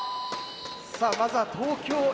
さあまずは東京Ａ。